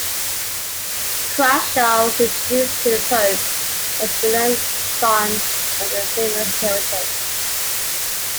Crashaw was introduced to the Pope as "the learned son of a famous Heretic".